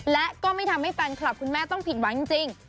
และก็ไม่ทำให้แฟนคลับคุณแม่ต้องผิดหวังจริง